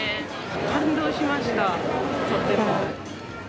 感動しました、とても。